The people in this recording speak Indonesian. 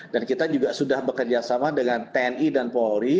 dan kita juga sudah bekerjasama dengan tni dan polri